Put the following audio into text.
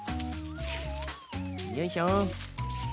よいしょ。